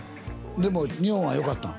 でも日本はよかったん？